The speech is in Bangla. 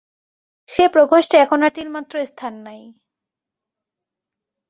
সে প্রকোষ্ঠে এখন আর তিলমাত্র স্থান নাই।